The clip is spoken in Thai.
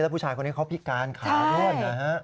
แล้วผู้ชายคนนี้เขาพิการขาห้วน